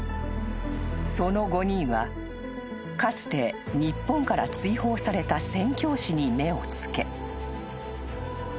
［その５人はかつて日本から追放された宣教師に目を付け］